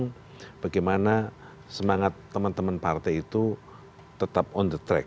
tentang bagaimana semangat teman teman partai itu tetap on the track